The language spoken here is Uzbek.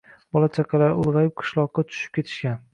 Bola-chaqalari ulgʼayib qishloqqa tushib ketishgan